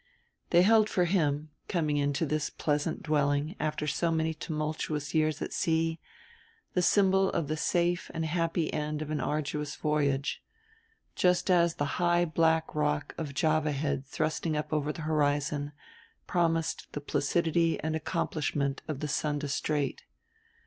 They held for him, coming into this pleasant dwelling after so many tumultuous years at sea, the symbol of the safe and happy end of an arduous voyage; just as the high black rock of Java Head thrusting up over the horizon promised the placidity and accomplishment of the Sunda Strait.